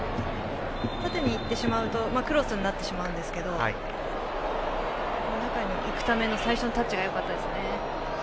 縦に行ってしまうとクロスになってしまうんですけど中に行くための最初のタッチがよかったですね。